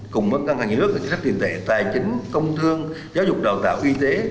cùng với các nhà nước chính sách tiền tệ tài chính công thương giáo dục đào tạo y tế